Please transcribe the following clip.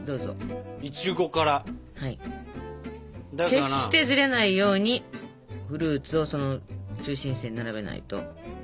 決してずれないようにフルーツをその中心線に並べないと。